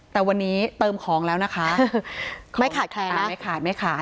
แต่วันนี้เติมของแล้วนะคะไม่ขาดแคลร์นะ